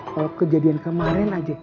kalau kejadian kemarin aja